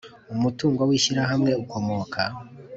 Umutungo w Ishyirahamwe ukomoka